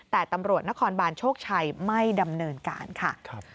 แต่ตำรวจนครบานโชคชัยไม่ดำเนินการค่ะ